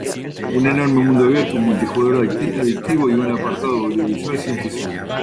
Un enorme mundo abierto, un multijugador adictivo y un apartado audiovisual sin fisuras.